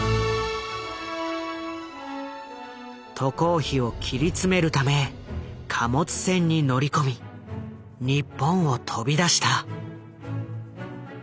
渡航費を切り詰めるため貨物船に乗り込み日本を飛び出した。